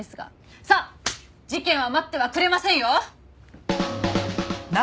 さあ事件は待ってはくれませんよ！